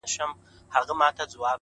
o په خپلو اوښکو،